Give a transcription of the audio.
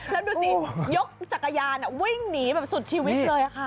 แล้วดูสิยกจักรยานวิ่งหนีแบบสุดชีวิตเลยค่ะ